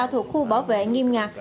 thuộc khu bảo vệ nghiêm ngặt